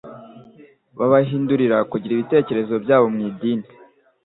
babahindurira kugira ibitekerezo byabo mu idini;